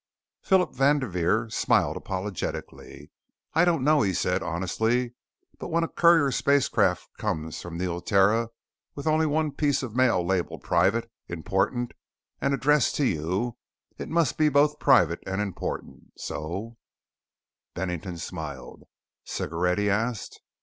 Phillip Vanderveer smiled apologetically. "I don't know," he said honestly. "But when a courier spacecraft comes from Neoterra with only one piece of mail labeled 'Private, Important,' and addressed to you, it must be both private and important. So " Bennington smiled. "Cigarette?" he asked.